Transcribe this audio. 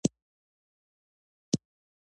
ایا زه په سړو اوبو لامبلی شم؟